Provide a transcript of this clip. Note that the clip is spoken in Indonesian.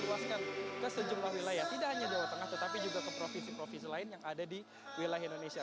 tidak hanya jawa tengah tetapi juga ke provinsi provinsi lain yang ada di wilayah indonesia